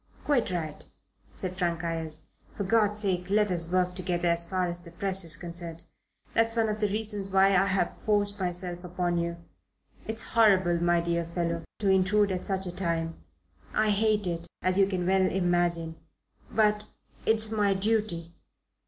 "Quite right," said Frank Ayres. "For God's sake, let us work together as far as the press is concerned. That's one of the reasons why I've forced myself upon you. It's horrible, my dear fellow, to intrude at such a time. I hate it, as you can well imagine. But it's my duty."